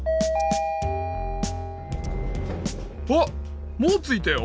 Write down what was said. あっもうついたよ。